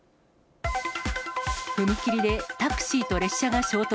踏切でタクシーと列車が衝突。